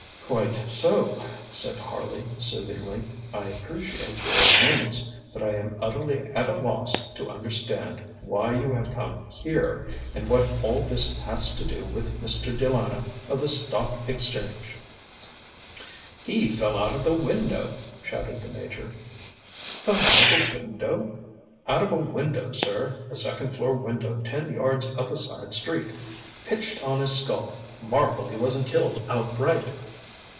ŌĆØ ŌĆ£Quite so, ŌĆØ said Harley soothingly; ŌĆ£I appreciate your annoyance, but I am utterly at a loss to understand why you have come here, and what all this has to do with Mr. De Lana, of the Stock Exchange.ŌĆØ ŌĆ£He fell out of the window! ŌĆØ shouted the Major. ŌĆ£Fell out of a window? ŌĆØ ŌĆ£Out of a window, sir, a second floor window ten yards up a side street! Pitched on his skull marvel he wasn't killed outright!